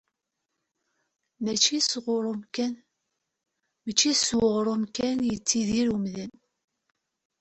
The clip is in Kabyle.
Mačči s uɣrum kan i yettidir umdan.